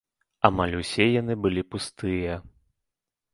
Амаль усе яны былі пустыя!